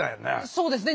そうですね。